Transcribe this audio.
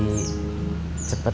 semoga utang saya ke pak aji